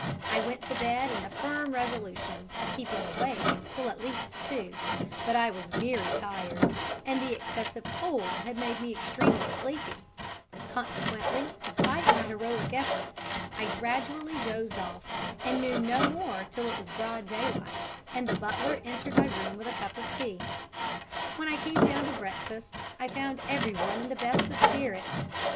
I went to bed in the firm resolution of keeping awake till at least two; but I was very tired, and the excessive cold had made me extremely sleepy; consequently, despite my heroic efforts, I gradually dozed off, and knew no more till it was broad daylight and the butler entered my room with a cup of tea. When I came down to breakfast I found everyone in the best of spirits.